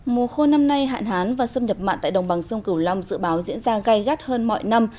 mùa khô năm nay hạn hán và xâm nhập mặn tại đồng bằng sông cửu long dự báo diễn ra gai gắt hơn mọi năm